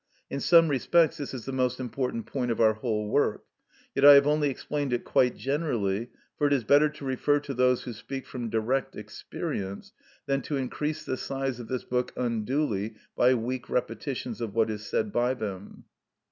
In some respects this is the most important point of our whole work; yet I have only explained it quite generally, for it is better to refer to those who speak from direct experience, than to increase the size of this book unduly by weak repetitions of what is said by them.